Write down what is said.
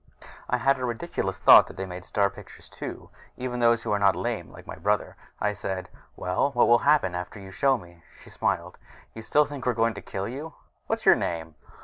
I had a ridiculous thought that they made star pictures, too even those who are not lame like my brother. I said, "Well, what will happen to me after you show me?" She smiled. "You still think we're going to kill you. What's your name?"